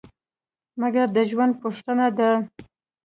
مرګ د ژوند پوښتنه ده.